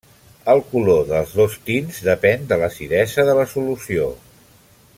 El color dels dos tints depèn de l'acidesa de la solució.